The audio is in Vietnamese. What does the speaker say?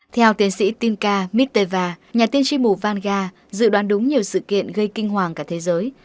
theo tiến sĩ tinka miteva nhà tiên tri mù vanga dự đoán đúng nhiều sự kiện gây kinh hoàng cả thế giới